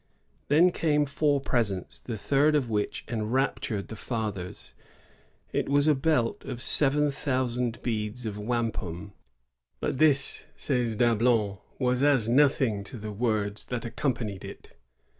Then came four presents, the third of which enraptured the fathers. It was a belt of seven thou sand beads of wampum. "But this," says Dablon, "was as nothing to the words that accompanied it."